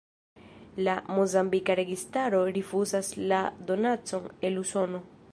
La mozambika registaro rifuzas la donacon el Usono.